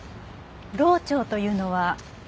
漏調というのは？